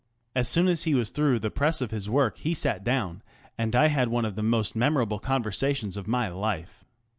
As soon as he was through the press of his work he sat down, and I had one of the most memorable conversations of my life.